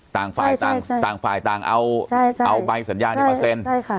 ต่างไฟล์ต่างต่างต่างต่างเอาใช่ใช่เอาใบสัญญา๑ใช่ค่ะ